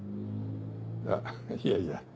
あっいやいや。